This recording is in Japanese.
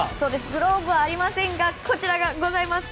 グローブはありませんがこちらはございます。